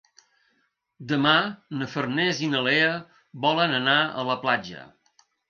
Demà na Farners i na Lea volen anar a la platja.